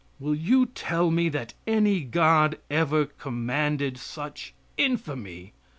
Will you tell me that any God ever commanded such infamy?